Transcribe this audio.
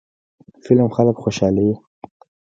فلم خلک خوشحالوي